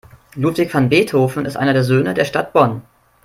Ludwig van Beethoven ist einer der Söhne der Stadt Bonn.